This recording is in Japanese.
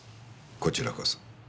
こちらこそ。